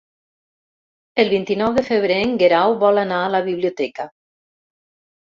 El vint-i-nou de febrer en Guerau vol anar a la biblioteca.